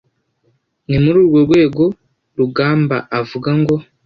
ni muri urwo rwego rugambaavuga ngo